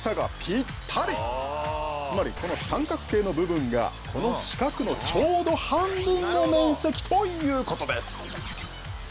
つまりこの三角形の部分がこの四角のちょうど半分の面積ということです。